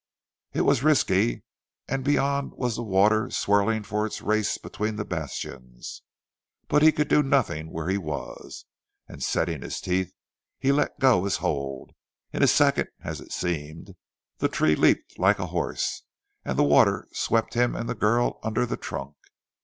It was risky, and beyond was the water swirling for its race between the bastions. But he could do nothing where he was and, setting his teeth, he let go his hold. In a second, as it seemed, the tree leaped like a horse and the water swept him and the girl under the trunk.